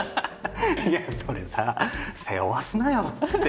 いやそれさ背負わすなよって。